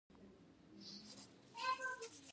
کاش هلته د الوتکو ضد کوم ماشین وای چې دی کارولی وای